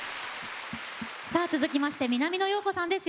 続きまして南野陽子さんです。